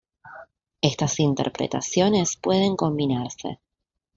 Estas interpretaciones pueden combinarse.